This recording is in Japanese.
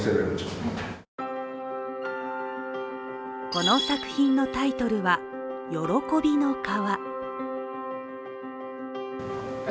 この作品のタイトルは「歓びの河」。